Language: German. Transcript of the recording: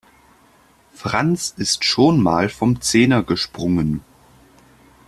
Franz ist schon mal vom Zehner gesprungen.